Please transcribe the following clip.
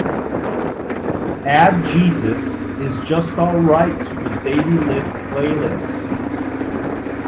Add jesus is just alright to the Daily Lift playlist.